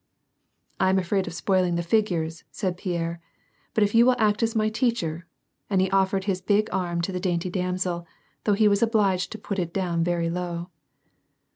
" I am afraid of sjwiling the figures " said Pierre, " but if you will act as my teacher," and he offered his big arm to the dainty damsel, though he was obliged to put it down very low.